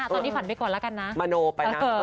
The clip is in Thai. ตอนนี้ฝันไปก่อนแล้วกันนะมโนไปนะ